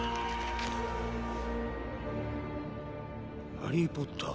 ハリー・ポッター？